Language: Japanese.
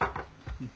うん。